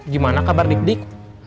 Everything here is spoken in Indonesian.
gimana kabar dik dik